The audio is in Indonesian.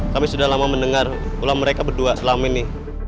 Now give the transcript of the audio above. kami sudah lama mendengar ulama mereka berdua selama ini